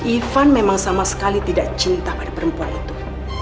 ivan memang sama sekali tidak cinta pada perempuan itu